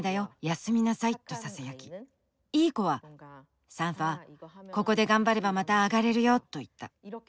休みなさい」とささやきいい子は「サンファここで頑張ればまた上がれるよ」と言った。